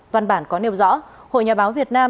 văn bản có nêu rõ hội nhà báo việt nam